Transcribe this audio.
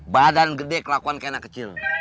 badan gede kelakuan kena kecil